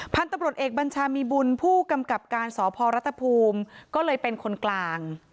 พันธุ์ตำรวจเอกบัญชามีบุญผู้กำกับการสพรัฐภูมิก็เลยเป็นคนกลาง